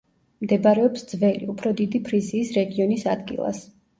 მდებარეობს ძველი, უფრო დიდი ფრიზიის რეგიონის ადგილას.